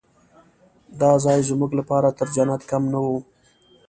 دا ځای زموږ لپاره تر جنت کم نه و.